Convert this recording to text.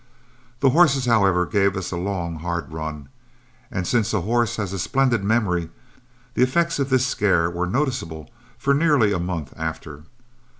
The horses, however, gave us a long, hard run, and since a horse has a splendid memory, the effects of this scare were noticeable for nearly a month after.